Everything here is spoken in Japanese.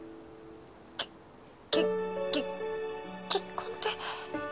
けけけ結婚って。